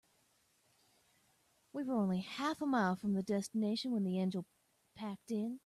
We were only half a mile from the destination when the engine packed in.